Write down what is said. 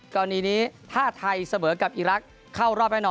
กรณีนี้ถ้าไทยเสมอกับอีรักษ์เข้ารอบแน่นอน